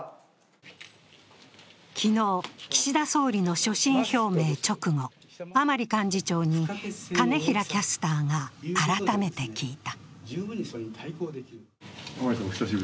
昨日、岸田総理の所信表明直後、甘利幹事長に金平キャスターが改めて聞いた。